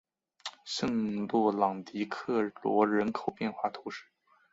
圣洛朗迪克罗人口变化图示